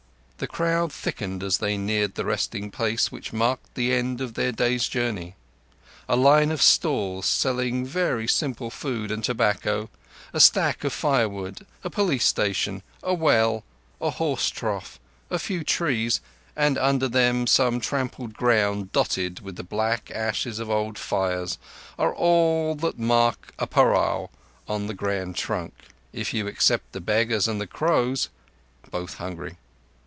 The crowd thickened as they neared the resting place which marked the end of their day's journey. A line of stalls selling very simple food and tobacco, a stack of firewood, a police station, a well, a horse trough, a few trees, and, under them, some trampled ground dotted with the black ashes of old fires, are all that mark a parao on the Grand Trunk; if you except the beggars and the crows—both hungry.